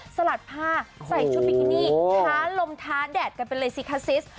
สลัดผ้าใส่ชุดบิกินี่ท้าลมท้าแดดกันไปเลยสิคะซิส